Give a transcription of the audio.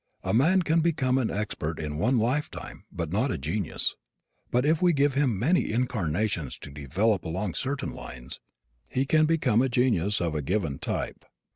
A man can become an expert in one lifetime but not a genius. But if we give him many incarnations to develop along certain lines he can become a genius of a given type.